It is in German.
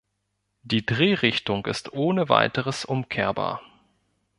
Die Drehrichtung ist ohne weiteres umkehrbar.